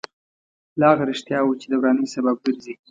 له هغه رښتیاوو چې د ورانۍ سبب ګرځي.